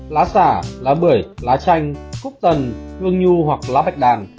lá xả lá bưởi lá chanh cúc tần hương nhu hoặc lá bạch đàn